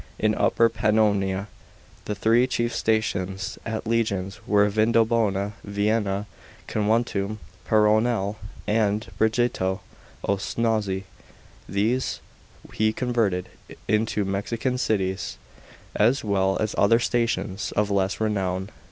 In Upper Pannoniar the three chief stations ot legions were Vindobona (Vienna), Cwnuntnm (Petronell), and Brigetio (0 Szony). These he converted ioto U<*xian cities, as well as other stations of less renown.